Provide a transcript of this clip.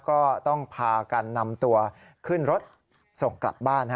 ก็ต้องพากันนำตัวขึ้นรถส่งกลับบ้าน